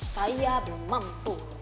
saya belum mampu